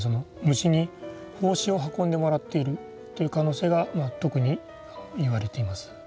虫に胞子を運んでもらっているという可能性が特に言われています。